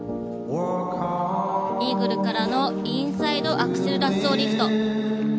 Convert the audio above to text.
イーグルからのインサイドアクセルラッソーリフト。